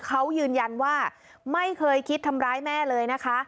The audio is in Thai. เขายืนยันว่าไม่เคยคิดทำร้ายแม่เลยนะคะ